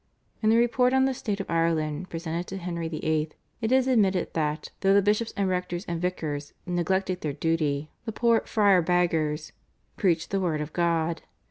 In the report on the state of Ireland presented to Henry VIII. it is admitted that, though the bishops and rectors and vicars neglected their duty, the "poor friars beggers" preached the word of God.